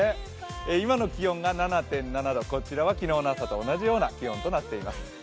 今の気温が７．７度こちらは同じような気温となっています。